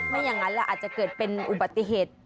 อย่างนั้นแหละอาจจะเกิดเป็นอุบัติเหตุ